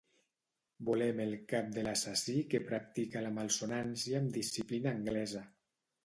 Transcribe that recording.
Volem el cap de l'assassí que practica la malsonància amb disciplina anglesa.